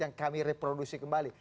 yang kami reproduksi kembali